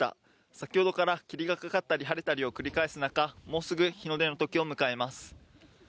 先ほどから霧がかかったり晴れたりを繰り返す中、もうすぐ日の出のときを迎えます。